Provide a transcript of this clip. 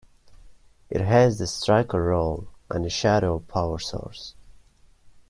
It has the Striker role and the Shadow power source.